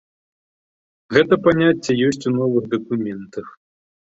Гэта паняцце ёсць у новых дакументах.